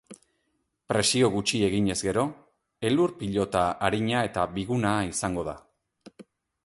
Presio gutxi eginez gero, elur-pilota arina eta biguna izango da.